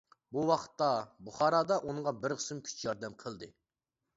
بۇ ۋاقىتتا بۇخارادا ئۇنىڭغا بىر قىسىم كۈچ ياردەم قىلدى.